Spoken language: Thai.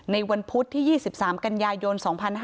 วันพุธที่๒๓กันยายน๒๕๕๙